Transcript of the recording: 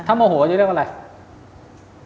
ถ้ามโหโหก็จะเรียกว่าอะไร